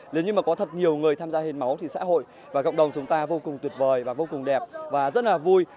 nếu như mà có thật nhiều người tham gia hiến máu thì xã hội và cộng đồng chúng ta vô cùng tuyệt vời và vô cùng đẹp và rất là vui